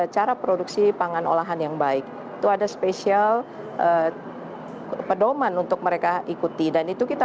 cara produksi pangan olahan yang baik itu ada spesial pedoman untuk mereka ikuti dan itu kita